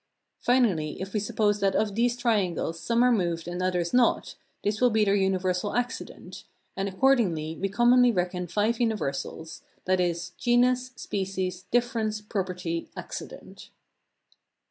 Finally, if we suppose that of these triangles some are moved and others not, this will be their universal accident; and, accordingly, we commonly reckon five universals, viz., genus, species, difference, property, accident.